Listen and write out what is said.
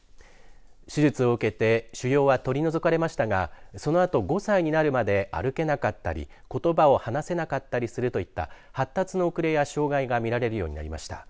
手術を受けて腫瘍は取り除かれましたがそのあと５歳になるまで歩けなかったりことばを話せなかったりするなどといった発達の遅れや障がいが見られるようになりました。